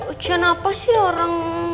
ujian apa sih orang